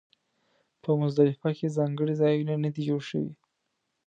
په مزدلفه کې ځانګړي ځایونه نه دي جوړ شوي.